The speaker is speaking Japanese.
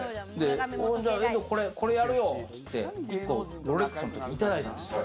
じゃあ遠藤、これやるよ！っつって、１個ロレックスの時計いただいたんですよ。